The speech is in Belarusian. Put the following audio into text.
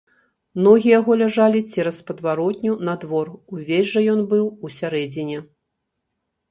Ногі яго ляжалі цераз падваротню на двор, увесь жа ён быў у сярэдзіне.